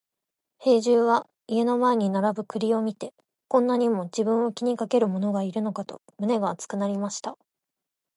兵十は家の前に並ぶ栗を見て、こんなにも自分を気にかける者がいるのかと胸が熱くなりました。